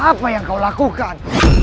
apa yang kau lakukan